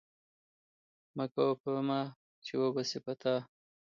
مه کوه په ما، چې وبه سي په تا!